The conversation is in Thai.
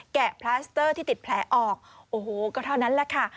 แกะพลาสเตอร์ที่ติดแผลออกโอ้โหก็เท่านั้นแหละค่ะ